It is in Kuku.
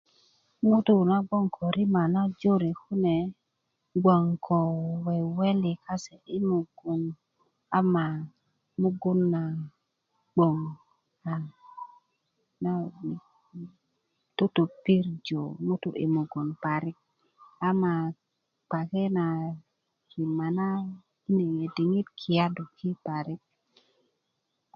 ŋutu na bgoŋ ko rima na jore kune bgoŋ ko weweli kase i mugun ama mugun na bgoŋ totpirjö ŋutu i mugun parik ama kpake na rima na i nu diŋit a kiyadu ki parik